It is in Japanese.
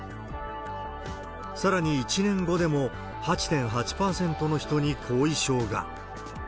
さらに１年後でも、８．８％の人に後遺症が。